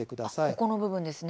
ここの部分ですね。